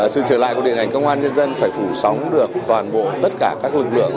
sự trở lại của điện ảnh công an nhân dân phải phủ sóng được toàn bộ tất cả các lực lượng